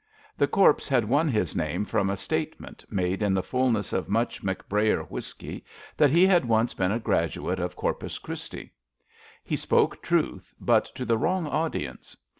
The Corpse had won his name from a state ment, made in the fulness of much McBrayer wrhisky, that he had once been a graduate of Cor pus Christi. ^ He spoke truth, but to the wrong audience.